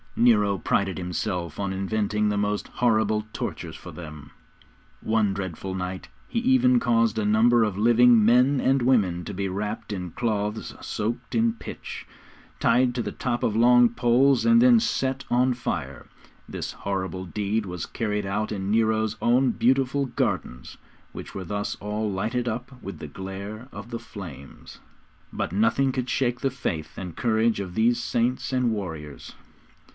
Nero prided himself on inventing the most horrible tortures for them. On one dreadful night he even caused a number of living men and women to be wrapped in cloths soaked in pitch, tied to the top of long poles, and then set on fire. This horrible deed was carried out in Nero's own beautiful gardens, which were thus all lighted up with the glare of the flames. But nothing could shake the faith and courage of these saints and warriors.